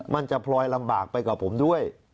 มันจะพลอยลำบากไปกับผมด้วย